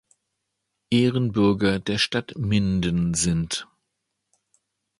Ehrenbürger der Stadt Minden sind.